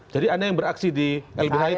jadi anda yang beraksi di lbh jakarta